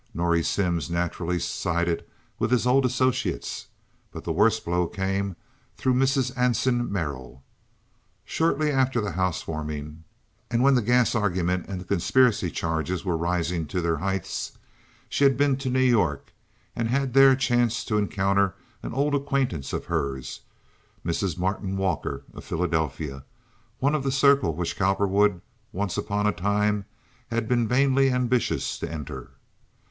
Norrie Simms naturally sided with his old associates. But the worst blow came through Mrs. Anson Merrill. Shortly after the housewarming, and when the gas argument and the conspiracy charges were rising to their heights, she had been to New York and had there chanced to encounter an old acquaintance of hers, Mrs. Martyn Walker, of Philadelphia, one of the circle which Cowperwood once upon a time had been vainly ambitious to enter.